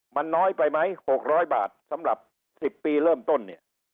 มันน้อยไปไหม๖๐๐บาทสำหรับ๑๐ปีเริ่มต้นเนี่ย